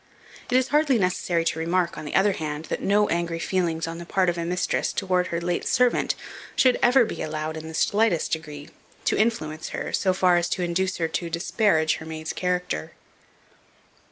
It is hardly necessary to remark, on the other hand, that no angry feelings on the part of a mistress towards her late servant, should ever be allowed, in the slightest degree, to influence her, so far as to induce her to disparage her maid's character.